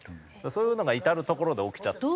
そういうのが至る所で起きちゃって。